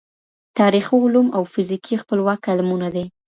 تاریخي علوم او فزیکي خپلواکه علمونه دي.